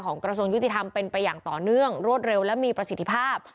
กระทรวงยุติธรรมเป็นไปอย่างต่อเนื่องรวดเร็วและมีประสิทธิภาพ